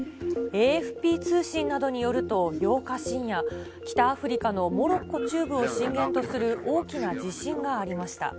ＡＦＰ通信などによると、８日深夜、北アフリカのモロッコ中部を震源とする大きな地震がありました。